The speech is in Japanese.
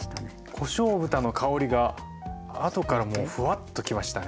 こしょう豚の香りがあとからもうフワッときましたね。